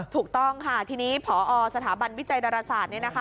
ถูกต้องค่ะทีนี้พอสถาบันวิจัยดรษาตรเนี่ยนะคะ